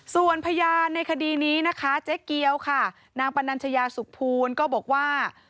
ส่วนพยานในคดีนี้นะคะเจ๊เกียวค่ะนางปนัญชยาสุขภูลก็บอกว่า